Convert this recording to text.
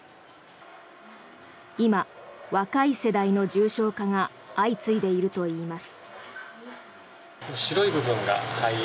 今、若い世代の重症化が相次いでいるといいます。